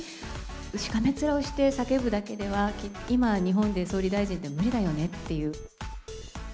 しかめっ面をして叫ぶだけでは、今、日本で総理大臣って無理だよねっていう。